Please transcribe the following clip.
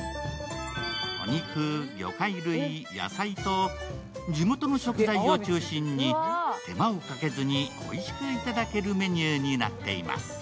お肉、魚介類、野菜と地元の食材を中心に手間をかけずに、おいしく頂けるメニューになってます。